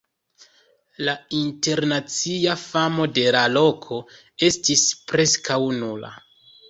La internacia famo de la loko estis preskaŭ nula.